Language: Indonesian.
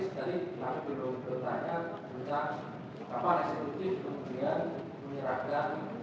jadi semua pengusaha